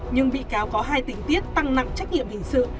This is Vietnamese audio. nhưng bị cáo có hai tình tiết tăng nặng trách nhiệm hình sự